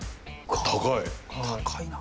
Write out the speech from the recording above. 高いなあ。